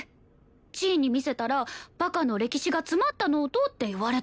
ちぃに見せたら「バカの歴史が詰まったノート」って言われた。